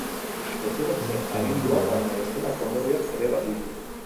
Etxeratze-aginduak, baina, bestelako ondorioak ere ditu.